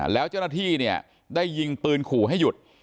แล้วเจ้าหน้าที่เนี่ยได้ยิงปืนขู่ให้หยุด